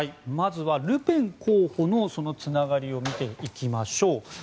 まず、ルペン候補のつながりを見ていきましょう。